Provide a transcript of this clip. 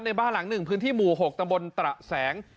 บ้านหลังหนึ่งพื้นที่หมู่๖ตำบลตระแสง